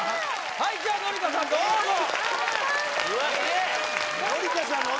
はいじゃあ紀香さんどうぞ・うわすげえ